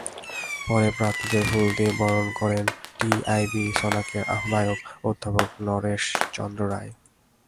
পরে প্রার্থীদের ফুল দিয়ে বরণ করেন টিআইবি-সনাকের আহ্বায়ক অধ্যাপক নরেশ চন্দ্র রায়।